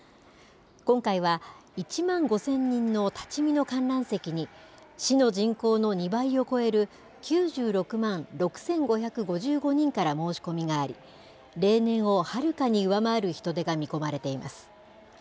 今回は１万５０００人の立ち見の観覧席に、市の人口の２倍を超える９６万６５５５人から申し込みがあり、例年をはるかに上回る人出が見込まれています。